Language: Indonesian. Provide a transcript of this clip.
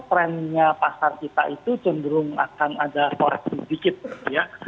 trendnya pasar kita itu cenderung akan ada koreksi sedikit gitu ya